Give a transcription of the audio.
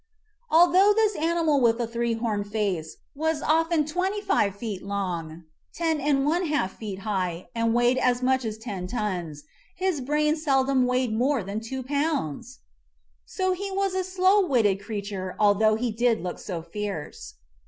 Although this animal with the three horned face was often twenty five feet long, ten and one half feet 28 MIGHTY ANIMALS high, and weighed as much as ten tons, his brain seldom weighed more than two pounds ! So he was a slow witted creature although he did look so fierce.